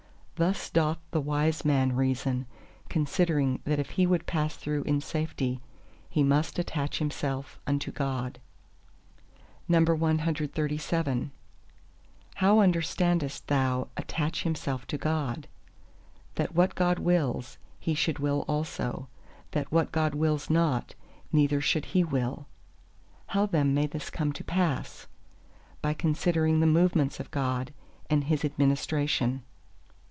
Thus doth the wise man reason, considering that if he would pass through in safety, he must attach himself unto God. CXXXVIII "How understandest thou attach himself to God?" That what God wills, he should will also; that what God wills not, neither should he will. "How then may this come to pass?" By considering the movements of God, and His administration.